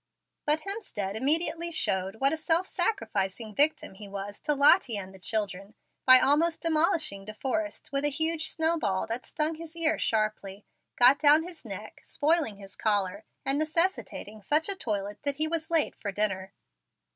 But Hemstead immediately showed what a self sacrificing victim he was to Lottie and the children by almost demolishing De Forrest with a huge snow ball that stung his ear sharply, got down his neck, spoiling his collar, and necessitating such a toilet that he was late for dinner.